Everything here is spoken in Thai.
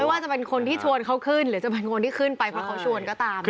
ว่าจะเป็นคนที่ชวนเขาขึ้นหรือจะเป็นคนที่ขึ้นไปเพราะเขาชวนก็ตาม